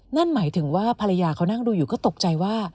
นั่นหมายถึงว่าภรรยาเขานั่งดูอยู่ก็ตกใจว่า